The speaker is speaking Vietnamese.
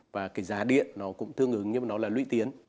và cái giá điện nó cũng tương ứng nhưng mà nó là lũy tiến